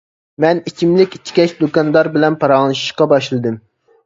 مەن ئىچىملىك ئىچكەچ دۇكاندار بىلەن پاراڭلىشىشقا باشلىدىم.